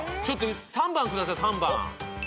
３番ください３番。